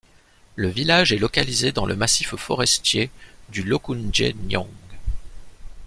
Le village est localisé dans le Massif forestier du Lokoundje – Nyong.